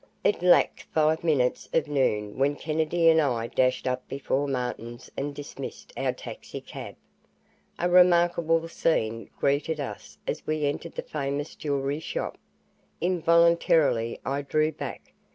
It lacked five minutes of noon when Kennedy and I dashed up before Martin's and dismissed our taxi cab. A remarkable scene greeted us as we entered the famous jewelry shop. Involuntarily I drew back.